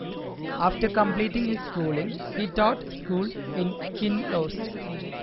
After completing his schooling, he taught school in Kinloss.